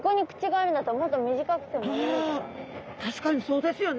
あ確かにそうですよね。